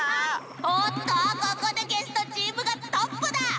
おっとここでゲストチームがトップだ！